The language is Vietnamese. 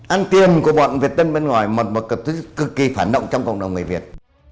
ăn tiền của bọn việt tâm bên ngoài mật mật cực kỳ phản động trong cộng đồng người việt